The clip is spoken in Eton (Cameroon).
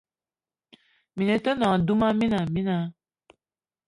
Mini te nòṅ duma mina mina